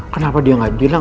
kenapa dia gak bilang